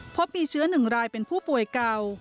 พบมีเชื้อ๑รายเป็นผู้ป่วยเก่า